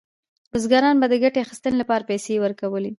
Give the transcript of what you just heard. بزګرانو به د ګټې اخیستنې لپاره پیسې ورکولې.